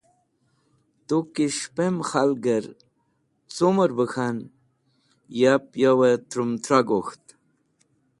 Tu ki s̃hẽpem khalgẽr cumẽr bẽ k̃han yab yo trũm tra gok̃ht